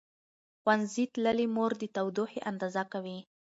ښوونځې تللې مور د تودوخې اندازه کوي.